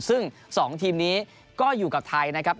ซึ่ง๒ทีมนี้ก็อยู่กับไทยนะครับ